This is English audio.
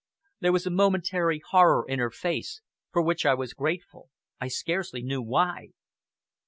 There was a momentary horror in her face, for which I was grateful I scarcely knew why.